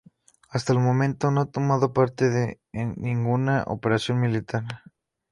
Hasta el momento no ha tomado parte en ninguna operación militar.